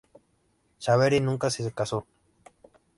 Savery nunca se casó.